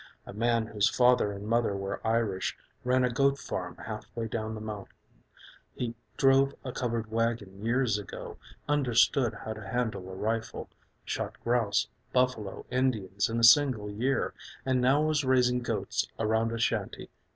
A man whose father and mother were Irish Ran a goat farm half way down the mountain; He drove a covered wagon years ago, Understood how to handle a rifle, Shot grouse, buffalo, Indians, in a single year, And now was raising goats around a shanty.